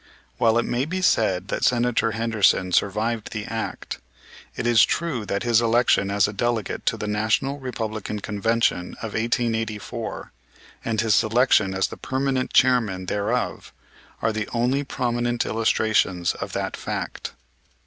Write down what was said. While it may be said that Senator Henderson survived the act, it is true that his election as a delegate to the National Republican Convention of 1884 and his selection as the permanent chairman thereof are the only prominent illustrations of that fact.